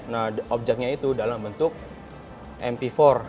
nah objeknya itu dalam bentuk mp empat